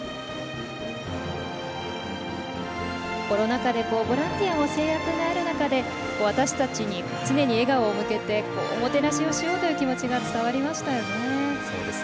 コロナ禍でボランティアも制約がある中で私たちに常に笑顔を向けておもてなしをしようという気持ちが伝わりましたよね。